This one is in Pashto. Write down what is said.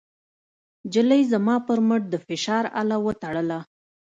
نجلۍ زما پر مټ د فشار اله وتړله.